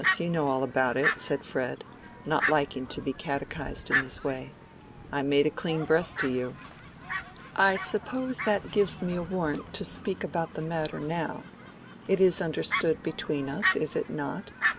You know all about it," said Fred, not liking to be catechised in this way. "I made a clean breast to you." "I suppose that gives me a warrant to speak about the matter now. It is understood between us, is it not?